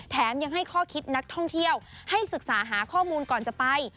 ยังให้ข้อคิดนักท่องเที่ยวให้ศึกษาหาข้อมูลก่อนจะไป